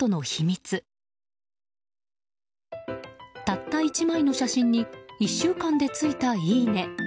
たった１枚の写真に１週間でついた、いいね